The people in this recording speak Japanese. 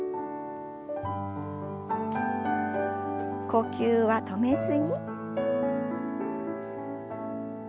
呼吸は止めずに。